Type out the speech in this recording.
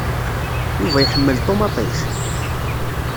Yuba iḥemmel ṭumaṭic?